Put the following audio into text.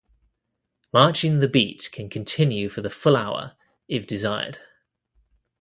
Marching the beat can continue for the full hour, if desired.